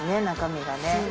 中身がね。